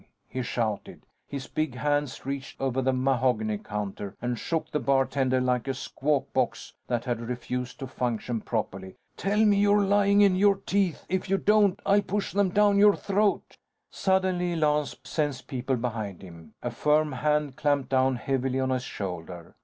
he shouted. His big hands reached over the mahogany counter and shook the bartender like a squawk box that had refused to function properly. "Tell me you're lying in your teeth. If you don't, I'll push them down your throat " Suddenly, Lance sensed people behind him. A firm hand clamped down heavily on his shoulder.